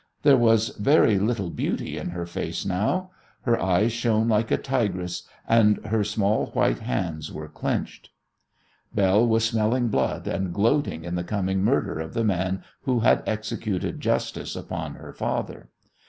There was very little beauty in her face now. Her eyes shone like a tigress', and her small white hands were clenched. Belle was smelling blood and gloating in the coming murder of the man who had executed justice upon her father.